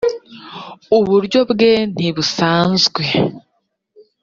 uburyo bwe ntibusanzwe.